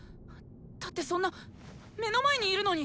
だってそんな目の前にいるのに！